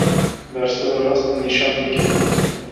Bersiva rast nîşan bike.